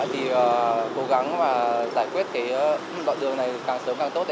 thì cố gắng và giải quyết cái đoạn đường này càng sớm càng tốt